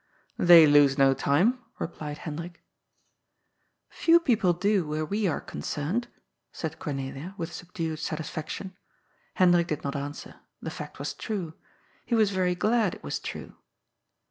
They lose no time," replied Hendrik. *^ Few people do where we are concerned," said Cornelia, with subdued satisfaction. Hendrik did not answer. The fact was true. He was very glad it was true.